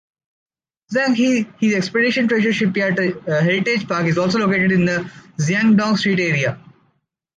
Zheng He's Expedition Treasure Shipyard Heritage Park is also located in the Jiangdong Street Area.